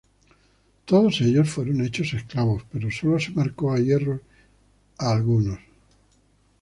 Todos ellos fueron hechos esclavos, pero sólo se marcó a hierro a algunos.